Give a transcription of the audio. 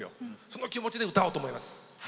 その気持ちで歌おうと思います。